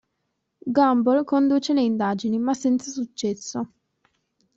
Gumball conduce le indagini, ma senza successo.